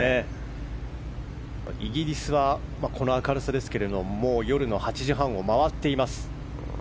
イギリスはこの明るさですがもう夜の８時半を回っています。